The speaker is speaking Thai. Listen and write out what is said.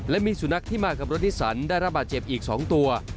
และมีสุนัขที่มากับรถนิสันได้ระบาดเจ็บอีก๒ตัว